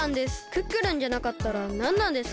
クックルンじゃなかったらなんなんですか？